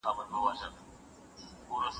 انټروباکټیریا هم په برس کې ژوند کوي.